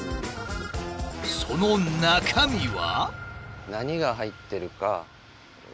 その中身は。